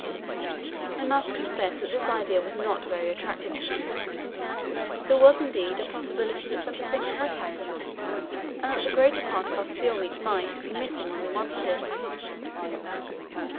I must confess that this idea was not very attractive to me; there was, indeed, a possibility that such a thing had happened, and that the greater part of our seal meat might be missing when we wanted it.